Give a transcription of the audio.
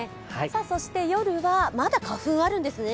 夜はまだ花粉あるんですね。